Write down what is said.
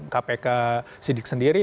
kpk sidik sendiri